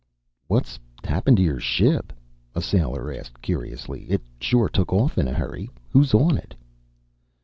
"What's happened to your ship?" a sailor asked curiously. "It sure took off in a hurry. Who's on it?"